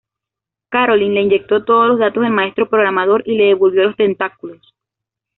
Carolyn le inyectó todos los datos del Maestro Programador y le devolvió los tentáculos.